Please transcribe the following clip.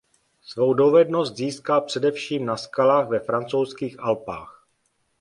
Svou dovednost získal především na skalách ve Francouzských Alpách.